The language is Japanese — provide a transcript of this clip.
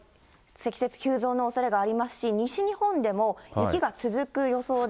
積雪急増のおそれもありますし、西日本でも雪が続く予想で。